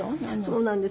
そうなんです。